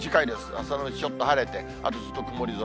朝のうちちょっと晴れて、あとずっと曇り空。